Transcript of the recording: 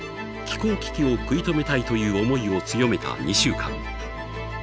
「気候危機を食い止めたい」という思いを強めた２週間。